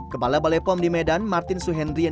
kepala balai pom di medan martin suhenri enderlecht